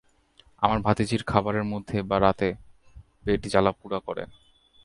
আমার ভাতিজির খাবারের মধ্যে বা রাতে পেট জ্বালা পুড়া করে।